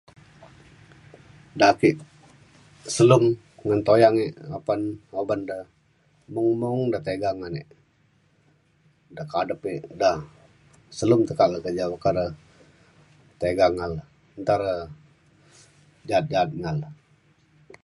da aki selum ngan toyang ik apan oban re mung mung dek tiga ngan ik dik kadep ik da selum teka le keja boka le tega ngan re nta re jaan ngan le.